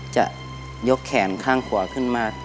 จะยกแขนข้างขวาขึ้นมา